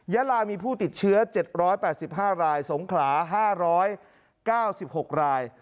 ยาลามีผู้ติดเชื้อ๗๘๕รายสงขลา๕๙๖ราย